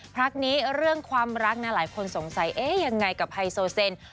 พักนี้เรื่องความรักนะหลายคนสงสัยเอ๊ะยังไงกับไฮโซเซน